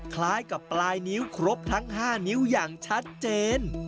คล้ายกับปลายนิ้วครบทั้ง๕นิ้วอย่างชัดเจน